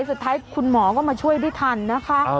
สุดท้ายคุณหมอก็มาช่วยได้ทันนะคะ